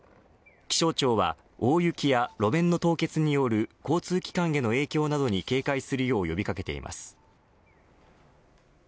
気象庁は大雪や路面の凍結による交通機関への影響などに警戒するよう呼び掛けています。